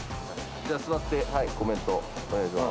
じゃあ座ってコメントお願いしまーす。